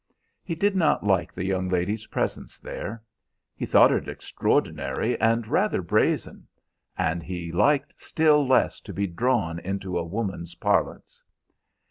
He did not like the young lady's presence there. He thought it extraordinary and rather brazen. And he liked still less to be drawn into a woman's parlance.